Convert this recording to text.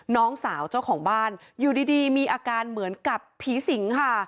น้องสาวเจ้าของบ้านอยู่ดีมีอาการเหมือนกับผีสิงค่ะ